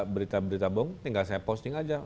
berita berita bohong tinggal saya posting aja